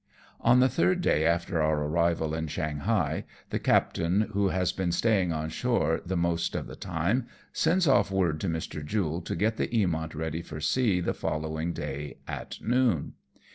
245 On the third day after our arrival at Shanghaij the captain, who has been staying on shore the most of the time, sends off word to Mr. Jule to get the Eamont ready for sea the following day at noon.